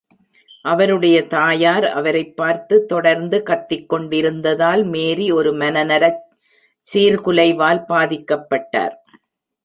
அவருடைய தாயார் அவரைப் பார்த்துத் தொடர்ந்து கத்திக்கொண்டிருந்ததால், மேரி ஒரு மனநலச் சீர்குலைவால் பாதிக்கப்பட்டார்.